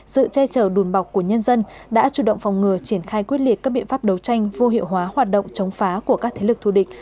sự che chở đùn bọc của nhân dân đã chủ động phòng ngừa triển khai quyết liệt các biện pháp đấu tranh vô hiệu hóa hoạt động chống phá của các thế lực thù địch